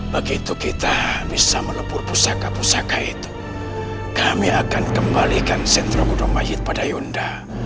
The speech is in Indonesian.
begitu kita bisa melepur pusaka pusaka itu kami akan kembalikan sentro gudong mai pada yunda